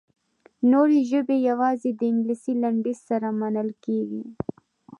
نورې ژبې یوازې د انګلیسي لنډیز سره منل کیږي.